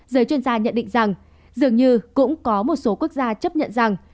giới chuyên gia nhận định rằng dường như cũng có một số quốc gia chấp nhận rằng